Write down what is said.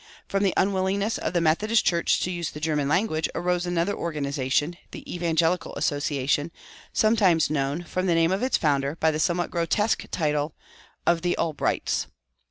From the unwillingness of the Methodist Church to use the German language arose another organization, "the Evangelical Association," sometimes known, from the name of its founder, by the somewhat grotesque title of "the Albrights."